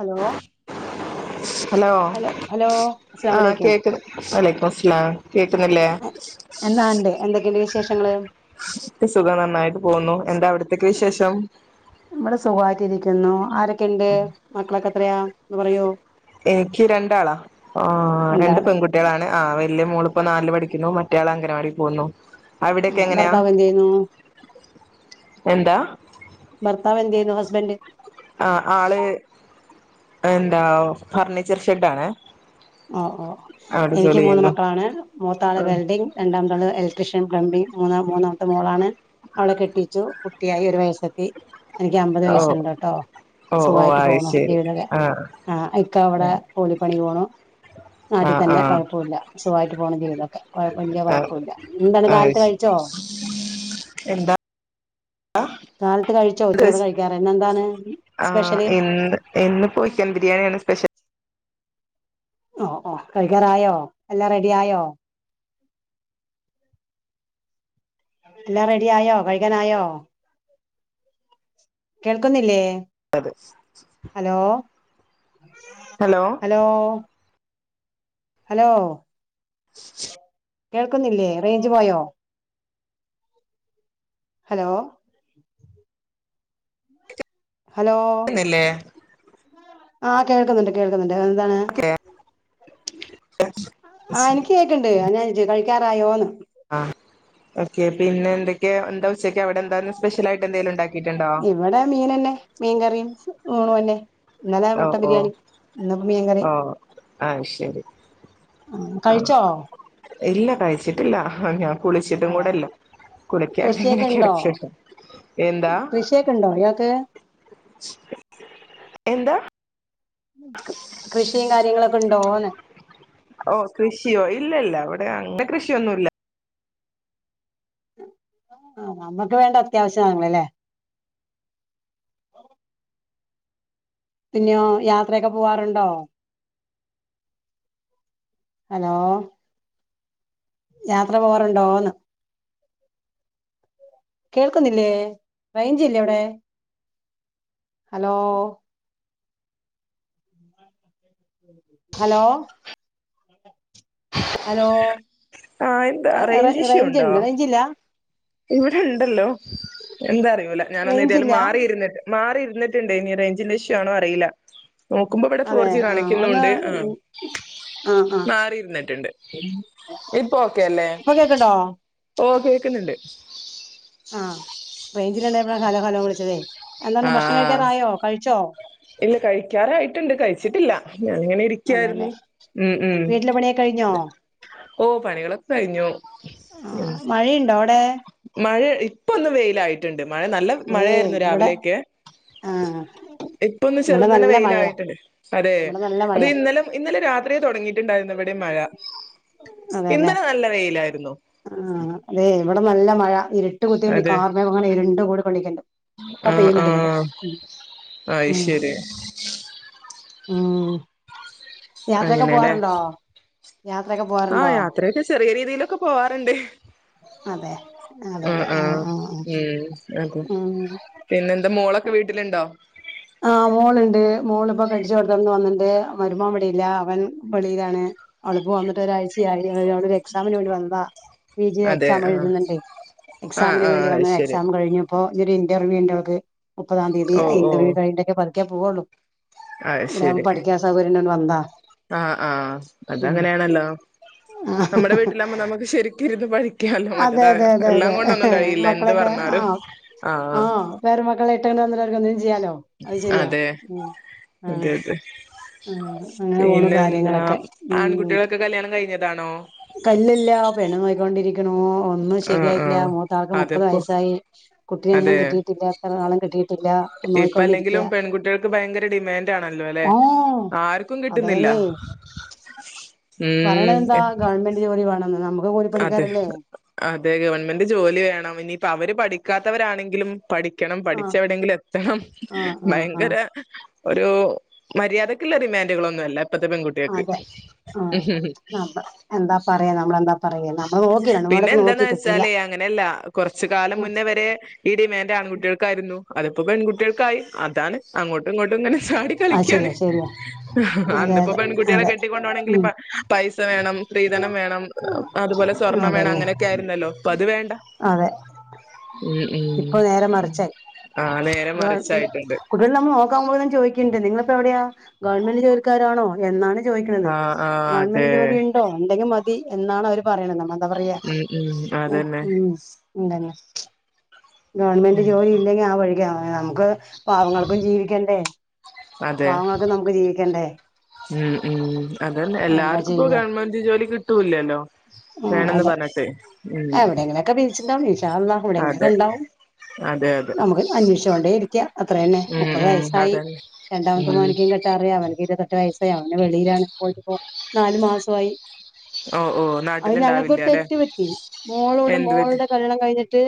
Hello hello hello ആഹ് അസ്സലാമലൈക്കും കേക്കുന്നി വഅലൈകുമുസ്സലാം കേക്കുന്നില്ലേ എന്നാ ഉണ്ട് എന്തൊക്കെയുണ്ട് വിശേഷങ്ങള് സുഖം നന്നായിട്ട് പോവുന്നു എന്താ അവിടത്തേക്ക വിശേഷം നമ്മള് സുഖമായിട്ട് ഇരിക്കുന്നു ആരൊക്കെയിണ്ട് മക്കളൊക്കെ എത്രയാ ഒന്ന് പറയോ എനിക്ക് രണ്ടാളാ ആ രണ്ട് രണ്ടാള് പെൺകുട്ടികളാണ് ആ വല്യ മോളിപ്പോ നാലില് പഠിക്കുന്നു മറ്റയാള് അംഗനവാടി പോവുന്നു അവിടൊക്കെ എങ്ങനെയാ ഭർത്താവ് എന്ത് ചെയ്യുന്നു എന്താ ബർത്താവെന്തെയ്യുന്നു ഹസ്ബെൻഡ് ആ ആള് എന്താ ഫർണിച്ചർ ഷെഡാണ് ഓ ഓ എനിക്ക് മൂന്ന് മക്കളാണ് മൂത്താള് വെൽഡിംഗ് രണ്ടാമത്താള് ഇലക്ട്രീഷ്യൻ പ്ലംബിംഗ് മൂന്ന മൂന്നാമത്തെ മോളാണ് അവളെ കെട്ടിച്ചു കുട്ടിയായി ഒരു വയസ്സെത്തി എനിക്ക് അമ്പത് ഓ വയസ്സുണ്ടെട്ടോ ഓ ഓ സുഖമായിട്ട് അത് പോണു ശരി ജീവിതൊക്കെ ആഹ് ആഹ് ഇക്ക അവിടെ കൂലിപ്പണിക്ക് പോണു നാട്ടിൽ ആഹ് തന്നെ ആഹ് കുഴപ്പമില്ല സുഖായിട്ട് പോണു ജീവിതം കൊഴപ്പില്ല്യ ആഹ് വഴക്കൂല്ല എന്താണ് അത് കാലത്ത് ശരി കഴിച്ചോ ആ കാലത്ത് കഴിച്ചോ ഉച്ചക്കത്തെ [unintelligible] കഴിക്കാറ് ഇന്നെന്താണ് ആ സ്പെഷ്യല് എന്ന് എന്നിപ്പോയിക്കാൻ ബിരിയാണിയാണ് സ്പെഷ്യൽ ഓ ഓ കഴിക്കാറായോ എല്ലാം റെഡി ആയോ എല്ലാം റെഡി ആയോ കഴിക്കാനായോ കേൾക്കുന്നില്ലേ അതെ ഹലോ ഹലോ ഹലോ കേൾക്കുന്നില്ലേ റേഞ്ച് പോയോ ഹലോ ഹലോ ന്നില്ലേ ആ കേൾക്കുന്നുണ്ട് കേൾക്കുന്നു എൻ്റ എന്താണ് ഓക്കെ ആഹ് ശരി എനിക്ക് കേക്കണ്ട് ആഹ് ഞാൻ ഇജ്ജ് കഴിക്കാറായോന്ന് ആ ഓക്കെ പിന്നെന്തൊക്കെ എന്താ ഉച്ചക്കെ അവിടെ എന്താരുന്ന് സ്പെഷ്യൽ ആയിട്ട് എന്തെലും ഉണ്ട ഇവിടെ മീനന്നെ മീൻകറിയും ഊണുഅന്നെ ഇന്നലെ ഓ മുട്ട ഓ ബിരിയാണി ഇന്നിപ്പ മീൻ കറി ഓ ആ ഇല്ല കഴിച്ചിട്ടില്ല ഞാൻ കുളിച്ചിട്ടും ആ കൂടെല്ല കുളിക്കാണ്ട് ഇങ്ങനെ കൃഷിയൊക്കെ ഇണ്ടോ കെടെക്കേണ് എന്താ കൃഷിയൊക്കെ ഇണ്ടോ ഇയാക്ക് എന്താ കൃഷിയും കാര്യങ്ങളൊക്കെ ഉണ്ടോന്ന് ഓ കൃഷിയോ ഇല്ലെല്ല അവി ടെ അങ്ങനെ കൃഷിയൊന്നുല്ല ആ നമ്മുക്ക് വേണ്ട അത്യാവശ്യം വാങ്ങലല്ലേ പിന്നെയോ യാത്രയൊക്കെ പോവാറുണ്ടോ ഹലോ യാത്ര പോകാറുണ്ടോന്ന് കേൾക്കുന്നില്ലേ റെയിഞ്ച് ഇല്ലേ അവിടെ ഹലോ ഹലോ ഹലോ എന്താ ആഹ് ആഹ് റെ ഇഷ്യൂ റേഞ്ച് ഉണ്ടോ ഉണ്ട് റേഞ്ചില്ല ഇവിടെ ഉണ്ടല്ലോ എന്താ അറിയൂല ഞാനൊന്നെതിയാലും റേഞ്ചില്ല മാറിയിരുന്നിട്ട് മാറിയിരുന്നിട്ടുണ്ടെ ഇനീ റേഞ്ചിന്റെ ഇഷ്യു ആണോ അറിയില്ല നോക്കുമ്പോ ഇവിടെ അതെ ഫോർജി ആ ഒന്ന് കാണിക്കുന്നുണ്ട് ആ ആ ആ മാറിരുന്നിട്ടുണ്ട് ഇപ്പോ ഓക്കെയല്ലേ ഇപ്പൊ കേക്ക്ണ്ടോ ഓ കേക്കുന്നുണ്ട് ആഹ് റെഞ്ചില്ലാണ്ടായപ്പോഴ ഹലോ ഹലോ വിളിച്ചതേ ആ എന്താണ് ഭക്ഷണം കഴിക്കാറായോ കഴിച്ചോ ഇല്ല കഴിക്കാറായിട്ടുണ്ട് കഴിച്ചിട്ടില്ല ഞാനിങ്ങനെ അതെല്ലേ ഇരിക്കായിരുന്നു ഉം ഉം വീട്ടിലെ പണിയൊക്കെ കഴിഞ്ഞോ ഓ പണികളൊക്കെ കഴിഞ്ഞു ആഹ് ഉം മഴയുണ്ടോ അവിടെ മഴ ഇപ്പൊന്ന് വെയിലായിട്ടുണ്ട് മഴ നല്ല ഏയ് മഴയായിരുന്നു ഇവിടെ രാവിലെയൊക്കെ ആഹ് ഇപ്പൊന്ന് ഇവിടെ ചെറുതന്നെ നല്ല വെയില് മഴയാ ആയിട്ടുണ്ട് അതെ ഇവിടെ നല്ല അത് മഴയാ ഇന്നലും ഇന്നലെ രാത്രിയിൽ തുടങ്ങിട്ടുണ്ടാരുന്നു ഇവിടേം മഴ. ഇന്നലെ നല്ല വെയിലായിരുന്നു ആ അതെ ഇവിടെ നല്ല മഴ ഇരുട്ട് കൂടിയൊണ്ട് അതെ കാർമേഘം ഉരുണ്ട് കൂടിക്കണ്ട ഇപ്പോ പെയ്യും ഉം ആയ്ശെരി ഉം. യാത്ര ക്ക അങ്ങനെല്ലേ പോവാറുണ്ടോ യാത്രയൊക്കെ ആഹ് പോവാറുണ്ടോ യാത്രയൊക്കെ ചെറിയ രീതിയിലൊക്കെ പോവാറുണ്ട് അതെ ഉം അതെല്ലേ ഉം ആഹ് ആഹ് ആഹ് ഉ. അതെ ഉം പിന്നെന്താ മോൾ വീട്ടിലുണ്ടോ ആ മോളുണ്ട് മോള് ഇപ്പോ കഴിച്ചു കൊടുത്തന്ന് വന്നിണ്ട് മരുമോൻ ഇവിടിയില്ല അവൻ വെളിയിലാണ് അവളിപ്പ് വന്നിട്ട് ഒരാഴ്ചയായി. അവൾ ക്സാമിന് വേണ്ടി വന്നതാ പിജി അതെ എക്സാം ആഹ് എഴുതുന്നുണ്ട്. എക്സാം ആഹ് ൻ ആഹ് വേണ്ടി അയ് വന്നു ശരി എക്സാം കഴിഞ്ഞപ്പോൾ ഒരു ഇന്റർവ്യൂ ഉണ്ട്‌ അവക്ക് മുപ്പതാം തീയതി ഓ ആ ഇന്റർവ്യൂ കഴിഞ്ഞിട്ടൊക്കെ പതുക്കെ പോകുവൊള്ളൂ ആഹ് ശെരി അയ്ൻ ഒന്ന് വന്നാ ആഹ് ആഹ് അത് അങ്ങനെയാണല്ലോ നമ്മുടെ വീട്ടിലാമ്പം നമുക്ക് ശരിക്ക് ഇരുന്ന് പഠി അതെ അതെ അതെ അതെ എന്ത് മക്കളൊക്കെ പറഞ്ഞാലും ആഹ് ആ ആഹ് വേറെ മക്കളെ [unintelligible] ചെയ്യാലോ അത് ശെരിയാ അതെ ഉം ആ അതെ അതെ ആഹ് അങ്ങനെ പോണു പിന്നെ എന്താ കാര്യങ്ങളൊക്കെ. ഉം ആൺകുട്ടികളൊക്കെ കല്യാണം കഴിഞ്ഞതാണോ കല്ലില്ല പെണു ഒന്നും ആഹ് ശരിയായിട്ടില്ല ആഹ് മൂത്താൾക്ക് മുപ്പത് അതിപ്പോ വയസായി കുട്ടിയൊന്നും അതെ കിട്ടിയിട്ടില്ല ഇത്രനാളും കിട്ടി ഇപ്പ അല്ലെങ്കിലും പെൺകുട്ടികൾക്ക് ഭയങ്കര ഡിമാൻഡ് ആണല്ലോ അല്ലെ ഓ ആർക്കും കിട്ടുന്നില്ല ഇല്ല പറയണതെന്താ ഗവൺമെന്റ് ജോലി വേണംന്ന് നമുക്ക് കൂലി അതെ പണിക്കാരല്ലേ അതെ ഗവൺമെന്റ് ജോലി വേണം ഇനിയിപ്പോ അവര് പഠിക്കാത്തവരാണെങ്കിലും പഠിക്കണം ആഹ് പഠിച്ച് എവിടെങ്കിലും എത്തണം ആഹ് ആഹ് ആഹ് ഭയങ്കര ഒരു മര്യാദക്കുള്ള ഡിമാൻഡുകളൊന്നും അല്ല ഇപ്പത്തെ പെൺകുട്ടികൾക്ക് അതെ ആഹ് പറയ നമ്മൾ പിന്നെ എന്താന്ന് വെച്ചാലേ അങ്ങനെയല്ല കുറച്ച് കാലം മുന്നേ വരെ അതിപ്പം പെൺകുട്ടികൾക്കായി അതാണ് അങ്ങോട്ടും ഇങ്ങോട്ടും ഇങ്ങനെ ചാടി അത് കളിക്കയാണ് ശരിയാ ശരിയാ അതെ അന്നിപ്പോ അതെ പെൺകുട്ടികളെ അതെ കെട്ടിക്കൊണ്ട് പോണെങ്കിൽ ഉം ഇപ്പ പൈസ വേണം സ്ത്രീധനം വേണം അതുപോലെ സ്വർണ്ണം വേണം അതന്നെ അങ്ങനെയൊക്കെ ആയിരുന്നല്ലോ ഇപ്പം അത് വേണ്ട അതെ ഉം ഇപ്പൊ നേരെ ഉം മറിച്ചായി ആ നേരെ മറിച്ചായിട്ടുണ്ട് കുട്ടികളെ നമ്മൾ നോക്കാപോലും ചോദിക്ക ണ്ട് നിങ്ങളപ്പോ എവിടെയാ ഗവൺമെന്റ് ജോലിക്കാരാണോ എന്നാണ് ചോയ്ക്കണത് ആ ആ ഗവൺമെന്റ് അതെ ജോലി ഉണ്ടോ ഉണ്ടെങ്കിൽ മതി എന്നാണ് അവര് പറയണത് എന്താ പറയാ ഉം ഉം അതന്നെ ഉം ഉംന് ഇതന്നെ ഗവൺമെന്റ് ഉം വാങ്ങാതെ അതെ നമുക്ക് ജീവിക്കണ്ടേ ഉം ഉം അതന്നെ എന്താ എല്ലാർക്കും ഇപ്പോ ചെയ്യാ ഗവൺമെന്റ് ജോലി കിട്ടൂല്ലാല്ലോ ആ വേണംന്ന് അതെ പറഞ്ഞട്ടെ ഉം അവിടെ അതെ എങ്ങനെക്കെണ്ടാവും അതെ അതെ നമുക്ക് അന്വേഷിച്ച് കൊണ്ടേരിക്കാം അത്ര തന്നെ ഉം മുപ്പത് ഉം വയസ്സായി അതന്നെ രണ്ടാമത്തെ ഉം മോനിക്കും കെട്ടാറായി അവനക്ക് ഇരുപ എട്ടു വയസായി അവൻ വെളിയിലാണ് പോയിട്ട് ഇപ്പോ നാലു മാസായി ഓ ഓ [unintelligible] അത് ഞങ്ങൾക്കൊരു ല്ലെ തെറ്റ് പറ്റി മോളോട് എന്ത് പറ്റി മോളുടെ കല്ണം കഴിഞ്ഞിട്ട്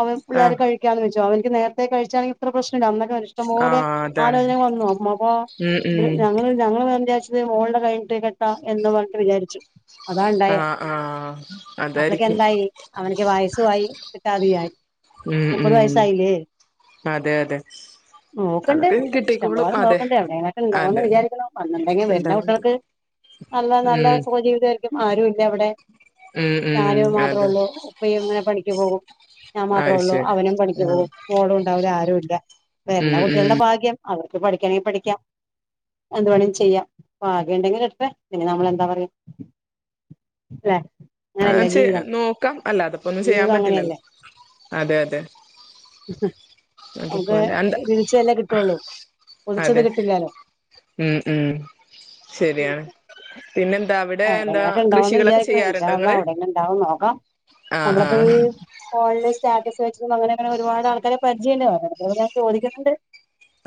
അവ പിള്ളേ ആഹ് കഴിക്കാന്ന് വെച്ചോ അവർക്ക് നേരത്തെ കഴിച്ചാണെങ്കിൽ ഇത്ര പ്രശനം അന്നൊക്കെ ഒരു ഇഷ്ടംപോലെ ആഹ് അതാണ് ആലോചന വന്നു അപ്പൊ ഉം ഉം ഞങ്ങൾ ഞങ്ങള് എ മോളുടെ കഴഞ്ഞട്ട കേട്ടാ എന്ന് പറഞ്ഞണ്ട് വിചാരിച്ചു അതാ ഉണ്ടായേ ആഹ് ആഹ് അപ്പളക്ക അതായിരിക്കും എന്തായി അവനക്ക് വായസായി കിട്ടാത ഉം മുപ്പത് ഉം വയസായില്ലേ അതെ അതെ നോക്കണ്ട് അതൊക്കെ കിട്ടിക്കോളും ഇഷ്ടംപോലെ അതെ നോക്കണ്ട് എവിടെങ്കങ്ങൊക്കെ ഉണ്ടാവോന്ന് അതെ വിചാരിക്കണോ വന്നിുണ്ടെങ്കിൽ വരുന്ന ഉണ്ടാവും കുട്ടികൾക്ക് നല്ല നല്ല ഉം സുഖജീവിത ആയിരിക്കും ആരു ഇല്ല അവിടെ ഉം ഉം ഞാന മാത്രേ അതെ ഉള്ളൂ ഇപ്പ ഇങ്ങനെ പഠിക്ക പോകും ഞാൻ മാത്രേള്ളൂ അയ്ശരി അവനും പഠിക്ക് ആഹ് പോകും ഓളും ഉണ്ടാവില്ലെ ആരും ഇല്ല വേ എല്ല ഉം ഉം കുട്ടികളുടെ ഭാഗ്യം അവർക്ക് പഠിക്കണമെങ്കിൽ പഠിക്കാം എന്ത്തു വേണമേങ്കും ചെയ്യാം അപ്പ ആകെുണ്ടെങ്കിലിൽ ഇട്ടട്ടെ ഇ നമ്മൾ എന്താ പറ അല്ലെ ആ അങ്ങനെയല്ലേ ജീവിതം നോക്കാം അല്ല അതപ്പോ ഒന്നും ചെയ്യാൻ ജീവിതം പറ്റില്ലല്ലോ അങ്ങനെയല്ലേ അതെ അതെ നമുക്ക് അതുപോലെ എന്താ വിളച്ച തന്നെ കിട്ടുവുള്ളൂ അതെ ഉ ഉം ശരിയാണ് പിന്നെന്താ അവിടെ എന്താ കൃഷികളൊക്കെ ചെയ്യാറ് അവിടെ ഉണ്ടാവന്ന് നോക്കാം ആ ആ നമ്മളിപ്പോ ഈ സ്റ്റാറ്റസ് വെച്ച അങ്ങന അങ്ങനെ ഒരുപാട് ആൾക്കാര പരിചയണ്ട് ഞാൻ ചോദിക്കുന്നുണ്ട്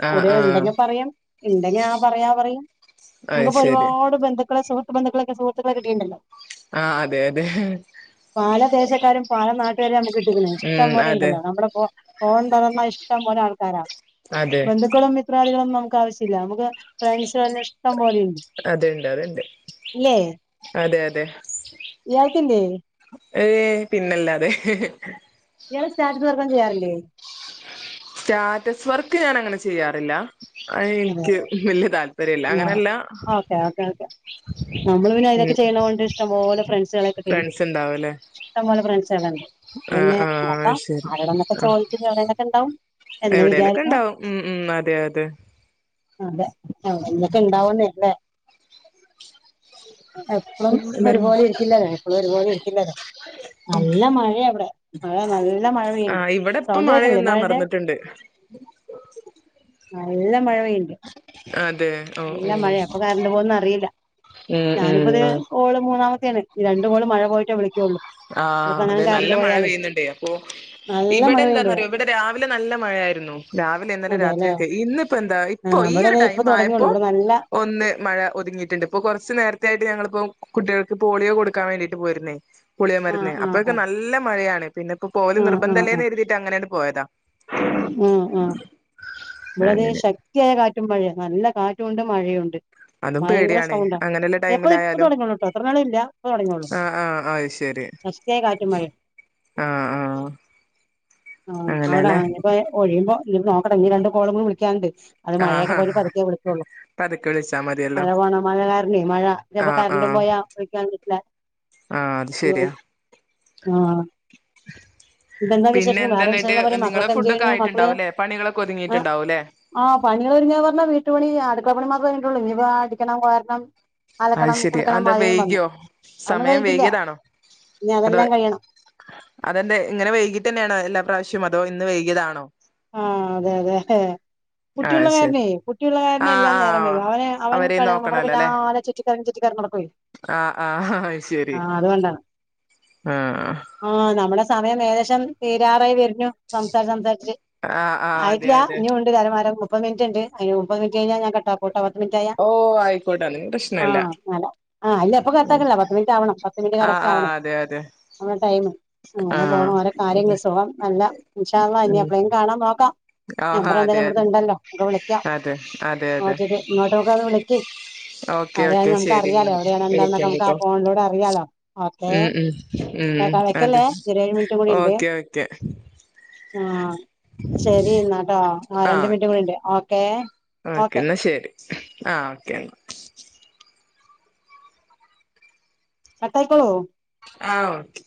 ആ അവര് ആ ഉണ്ടെങ്കിൽ പറയാം ഉണ്ടെങ്കിൽ ആ പറയാ പറയാം അത് നമുക്കിപ്പോ ശരി ഒരുപാട് ബന്ധുക്കെ സുഹൃന്ധുക്കളക്കെുഹത്തുക്കെിട്ടുണ്ടല്ലോ ആ അതെ അതെ പാല ദേശക്കാരും പാല നാട്ട രെ നമുക്ക് കിട്ടിക്കുന്നത് ഉം ഇഷ്ടംപോ ലെ അതെ ഉണ്ടല്ലോ നമ്മുടെ ഫോൺ തറന്ന ഇഷ്ടം പോലെ ആൾക്കാരാണ് അതെ ബന്ധുക്കളും മിത്രാദികളും നമുക്ക് ആവശ്യമില്ല നമുക്ക് ഫ്രാസല്ല ഇഷ്ടം പോല അതണ്ട് അത്ണ്ട് ഇല്ലേ അതെ അതെ ഇയാൾക്കില്ലേ ഏ പിന്നല്ലാതെ ഞങ്ങള് സ്റ്റാത്ത് പറക്കം ചെയ്യാറില്ലേ സ്റ്റാറ്റസ് വർക്ക് ഞാൻ അങ്ങനെ ചെയ്യാറില്ല അ അതെ എനിക്ക് അതെ വല്യ താല്പര്യല്ല ആഹ് അങ്ങനല്ല ഓക്കെ ഓക്കെ ഓക്കെ നമ്മള് പിന്നെ അതിനൊക്കെ ചെയ്യണ കൊണ്ട് ഇഷ്ടംപഓലെ ഫ്രണ്ട്സുകളെക്കെ ചെയ്യണ്ട് ഫ്രണ്ട്സ് ഉണ്ടാവൂല്ലേ ഇഷ്ടം പോലെ ഫ്രണ്ട്സുകള ഉണ്ട് ആഹ് പിന്നെ ആഹ് അത് നോക്കാം ആരോടന്നൊക്കെ ചോദിച്ചിട്ട് എവിടെന്നൊക്കെ ഉണ്ടാവും എന്ന് എവിടെലൊക്കെ വിചാരിക്കണം ഉണ്ടാവും ഉ ഉ അതെ അതെ അതെ എടെന്നൊക്കെ ഇണ്ടാവന്നല്ലേ എപ്പളും എല്ലാരും ഒരുപാളി ഇരിക്കില്ലരാാ എപ്പഴും ഒരുപോളി ഇരിക്കില്ലതാ നല്ല മഴയ അവിടെ മഴ നല്ല മഴ പെയ്യണ്ട് ആഹ് ഇവിടെ ഇപ്പം സൗണ്ട് കേക്കണല്ലേ മഴയൊന്ന് മഴയുടെ [unintelligible] അമർന്നിട്ടുണ്ട് [unintelligible] നല്ല മഴ പെയ്യണ്ട് അതെ ഓഹ് നല്ല മഴ ഓഹ് അപ്പൊ കറിണ്ട് പോന്ന അറിയില്ല ഉം ഞാനിപ്പത് ഉം കോള് മൂന്നാമത്തെയാണ് രണ്ടു കോള് മഴ പോയിട്ടേ വിളിക്കയുള്ളൂ ആഹ അതെ നല്ല മഴ പെയ്യുന്നുണ്ടേ അപ്പോൊ നല്ല ഇവിടെ മഴ പെയ്യ്ണ്ട് എന്താന്നറിയോ ഇവിടെ രാവിലെ നല്ല മഴ രാവിലെ ഇന്നലെ അതെല്ലേ രാത്രിയൊക്കെ ഇന്നിപ്പോ എന്താ ആ ഇപ്പൊ ഈ ഇവിടെ ഒരു ദേ ഇപ്പൊ ടൈം തുടങ്ങിയുള്ളൂ ആയപ്പോ- ഇവിടെ നല്ല ഒന്ന് മഴ ഒതുങ്ങിയിട്ടുണ്ട് ഇപ്പൊ കുറച്ചു നേരത്ത ആയിട്ട് ഞങ്ങളിപ്പോ- കുട്ടികൾക്ക് പോളിയോ കൊടുക്കാൻ വേണ്ടിട്ട് പോയിരുന്നേ പൊളിയാ ആ മരുന്ന് ആ അപ്പൊക്കെ ആ നല്ല മഴയാണ് പിന്നെ ഇപ്പോ പോല ആ നിർബന്ധമല്ലേ എരുതിയിട്ട് അങ്ങനെയാണ് പോയതാ ഉ ആ ഇവിടതെ അങ്ങനെ ശക്തിയായ കറ്റ് കാറ്റും മഴെയാ നല്ല കാറ്റുംഒണ്ട് മഴെഒണ്ട് അതും ഭയങ്കര പേടിയാണ് സൗണ്ടാ അങ്ങനെയുള്ള ദേ ഇപ്പ ഇപ്പ ടൈമിലായാലും തൊടങ്ങിയൊള്ളൂട്ടോ ഇത്രനെരം ഇല്ല ഇപ്പ തൊടങ്ങിയെള്ളൂ ആഹ് ആഹ് അത് ശരി ശക്തിയായ കാറ്റും മഴെ ആഹ് ആഹ് ആഹ് അവ്ടെ അങ്ങനെല്ലേ നിപ്പോ ഒഴിയുമ്പോ ഇനി ഇപ്പൊ നോക്കട്ടെ ഇനി രണ്ട് കോളുകൂടെ വിളിക്കാൻണ്ട് അത് മഴയൊക്കെ ആഹ് പോയിട്ട് പതുക്കേ വിളികൊള്ളു പതുക്കെ വിളിച്ചാ മതിയല്ലോ മഴ പോണം മഴ കാരണെ മഴ ഇപ്പം ആഹ് കരണ്ടും ആഹ് പോയാ വിളിക്കാൻ പറ്റില്ല ആഹ് അത് ശെരിയാ ആ ഇപ്പെന്താ പിന്നെ വിശേഷം വേറെ എന്താന്നിട്ട് വിഷയങ്ങള് പറയ് മക്കളൊ നിങ്ങളെ എന്ത് ഫുഡൊക്കെ ചെയ്യുന്നു മക്കള് ആയിട്ടുണ്ടാവുംല്ലേ പണികളൊക്കെ ആ ഒതുങ്ങിയിട്ടുണ്ടാവുംല്ലേ ആ പണികള് ഒര്ങ്ങാ പറഞ്ഞാ വീട്ടുപണി ചെ അടുക്കളപ്പണി മാത്രവേ കഴിഞ്ഞിട്ടൊള്ളൂ ഇനിപ്പം അടിക്കണം വാരണം അത് അലക്കണം ശരി കുളിക്കണം അതെന്താ മഴയും വന്നു വൈകിയോ അതൊന്നും സമയം കഴിഞ്ഞിട്ടില്ല വൈകിയതാണോ ഇനി അതോ അതെല്ലാം കഴിയണം അതെന്താ ഇങ്ങനെ വൈകീട്ട് തന്നെയാണോ എല്ലാ പ്രാശ്യം അതോ ഇന്ന് വൈകിയതാണോ ആഹ് അതെ അതെ കുട്ടിയുള്ള അത് ശരി കാരണെ കുട്ടിയുള്ള കാരണം ആഹ് എല്ലാം നേരം ആഹ് വൈകും അവനെ അവനും അവരെയും കളി തൊടങ്ങും ഇവ്ടെ നോക്കണല്ലോ പിന്നെ അല്ലെ ആകെ ചുറ്റി തെരഞ് ചുറ്റി ആഹ് ആഹ് അത് ശെരി ആഹ് അതുകൊണ്ടാണ് ആഹ് നമ്മടെ സമയം ഏകദേശം തീരാറായി വരുന്നു സംസാരിച്ച് സംസാരിച്ച് ആഹ് ആഹ് അതെ ആയിട്ടില്ല അതെ ഇനി ഉണ്ട് അര മുപ്പത് മിനിറ്റ് ഉണ്ട് അയിന് മുപ്പത് മിനിറ്റ് കഴിഞ്ഞാ ഞാൻ കട്ടാക്കുംട്ടൊ മിനിറ്റായ ഓ ആയിക്കോട്ടെ അതിന് ആ പ്രശ്നല്ല ആ ദേപ്പം കട്ട് ഉം ആക്ക്‌ണില്ല പത്ത് മിനിറ്റ് ആവണം പത്ത് മിനിറ്റ് കറക്റ്റ് ആഹ് ആഹ് ആവണേ അതെ അതെ മ്മടെ ടൈമ് അങ്ങനെ ആഹ് പോണ് ഓരോ കാര്യങ്ങൾ അതെ സുഖം നല്ല ഇൻ ഷാ അള്ളാ ഇനി ഉം ഞാൻ നോക്കാം ആഹാ നമ്പർ എന്തായാലും അതെ അതെ നമ്മടെത് ഇണ്ടല്ലോ മ്മക്ക് വിളിക്കാം അതെ അതെ ഓ അതെ ശെരി ഇങ്ങോട്ട്ക്കെ ഒന്ന് വിളിക്ക് ഓക്കെ എവിടൊണ് ഓക്കെ നമുക്ക് ശരി അറിയാലോ എന്നാ എവിടെയാണ് എന്താന്നൊക്കെ നമുക്ക് ആ വിളിക്കണ്ടിട്ടോ ഫോണിലൂടെ അറിയാലോ ഓക്കേ ഉം ഉം ഉം കേക്കാം അതെ വയ്ക്കല്ലേ ഇനി ഒര് ഏഴ് മിനിറ്റ് കൂടി ഇണ്ട് ഓക്കെ ഓക്കെ ആഹ് ശെരി ഇന്നാട്ടോ ആ രണ്ട് മിനിറ്റ് കൂടിണ്ട് ഓക്കേ ഓക്കേ ഓക്കെ എന്നാ ശെരി ആഹ് ഓക്കേ എന്നാ കട്ടായിക്കോളൂ ആഹ് ഓക്കേ